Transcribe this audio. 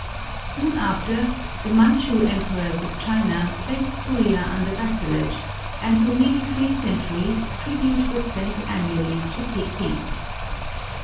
Soon after, the Manchu emperors of China placed Korea under vassalage, and for nearly three centuries tribute was sent annually to Peking.